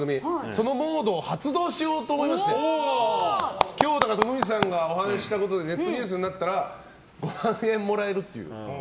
そのモードを発動しようと思いまして今日、だから徳光さんがお話したことがネットニュースになったら５万円もらえるっていう。